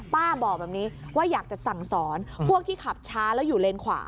บอกแบบนี้ว่าอยากจะสั่งสอนพวกที่ขับช้าแล้วอยู่เลนขวา